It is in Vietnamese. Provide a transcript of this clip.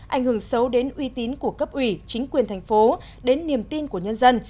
ảnh hưởng xấu đến uy tín của cấp ủy chính quyền thành phố đến niềm tin của nhân dân